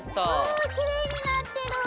うんきれいになってる。